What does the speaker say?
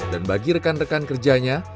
dan bagi rekan rekan kerjanya